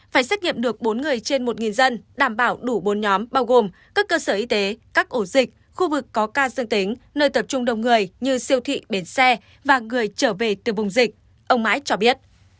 phải xét nghiệm được bốn người trên một dân đảm bảo đủ bốn nhóm bao gồm các cơ sở y tế các ổ dịch khu vực có ca dương tính nơi tập trung đông người như siêu thị bến xe và người trở về từ vùng dịch ông mãi cho biết